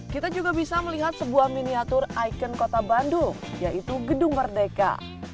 kita juga bisa melihat sebuah miniatur ikon kota bandung yaitu gedung merdeka